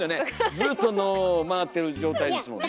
ずっと脳回ってる状態ですもんね。